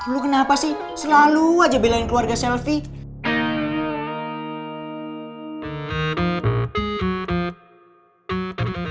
lu kenapa sih selalu aja belain keluarga selfie